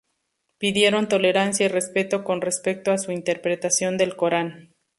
Pidieron tolerancia y respeto con respecto a su interpretación del Corán.